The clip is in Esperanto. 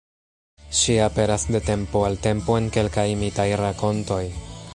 Ŝi aperas de tempo al tempo en kelkaj mitaj rakontoj.